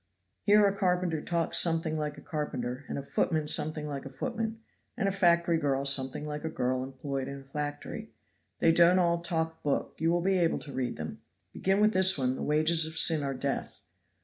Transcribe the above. Here a carpenter talks something like a carpenter, and a footman something like a footman, and a factory girl something like a girl employed in a factory. They don't all talk book you will be able to read them. Begin with this one, 'The Wages of Sin are Death.'